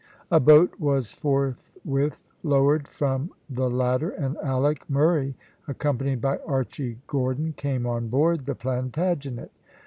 A boat was forthwith lowered from the latter, and Alick Murray, accompanied by Archy Gordon, came on board the Plantagenet.